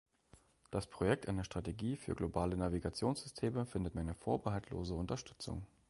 Das Projekt einer Strategie für globale Navigationssysteme findet meine vorbehaltlose Unterstützung.